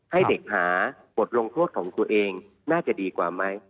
ให้เด็กหาบทลงโทษของตัวเองน่าจะดีกว่าไหม